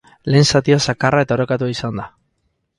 Lehen zatia zakarra eta orekatua izan da.